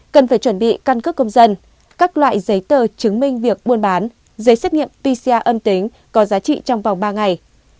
cần phải chuẩn bị căn cước công dân các loại giấy tờ chứng minh việc buôn bán giấy xét nghiệm pcr âm tính có giá trị trong vòng ba ngày